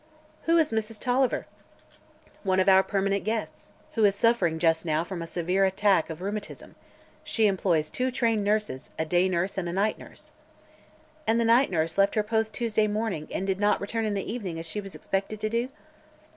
"Who is Mrs. Tolliver?" "One of our permanent guests, who is suffering just now from a severe attack of rheumatism. She employs two trained nurses, a day nurse and a night nurse." "And the night nurse left her post Tuesday morning and did not return in the evening, as she was expected to do?"